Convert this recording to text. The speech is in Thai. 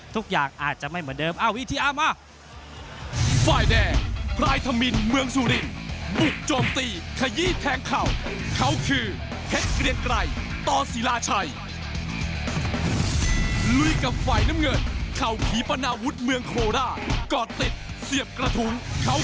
ทุกอย่างอาจจะไม่เหมือนเดิมอาวีทีอามา